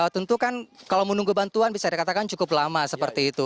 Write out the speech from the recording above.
tentu kan kalau menunggu bantuan bisa dikatakan cukup lama seperti itu